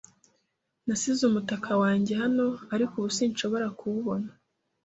Nasize umutaka wanjye hano, ariko ubu sinshobora kuwubona.